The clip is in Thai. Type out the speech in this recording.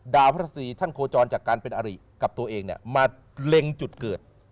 พระทศีท่านโคจรจากการเป็นอริกับตัวเองมาเล็งจุดเกิด